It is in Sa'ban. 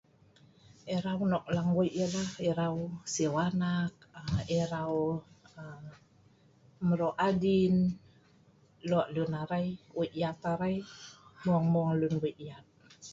erau nok lang wei ai ialah erau siu anak, erau mro adin, aa lok lun arai wei yatt arai mueng mueng lun wei yatt